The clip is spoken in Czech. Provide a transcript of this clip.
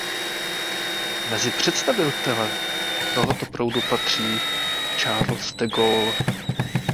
Mezi představitele tohoto proudu patří Charles de Gaulle.